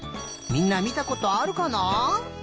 みんなみたことあるかな？